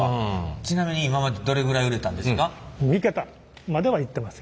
ちなみに今までどれぐらい売れたんですか？